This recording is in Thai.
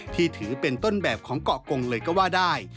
ที่ถือเป็นต้นแบบของเกาะกงเลยก็ว่าได้